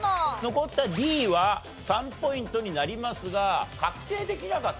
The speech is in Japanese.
残ったＤは３ポイントになりますが確定できなかったと。